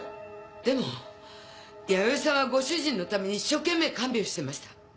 でも弥生さんはご主人のために一生懸命看病してました。